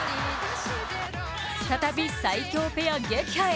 再び最強ペア撃破へ。